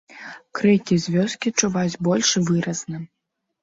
Крыкі з вёскі чуваць больш выразна.